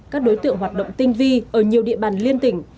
các đối tượng hoạt động tinh vi ở nhiều địa bàn liên tỉnh